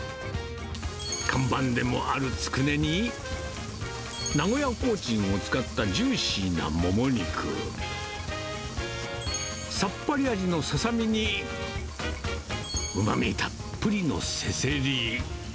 看板でもあるつくねに、名古屋コーチンを使ったジューシーなもも肉、さっぱり味のささみに、うまみたっぷりのせせり。